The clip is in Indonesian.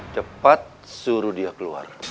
cepat suruh dia keluar